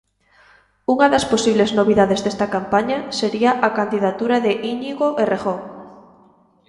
Unha das posibles novidades desta campaña sería a candidatura de Íñigo Errejón.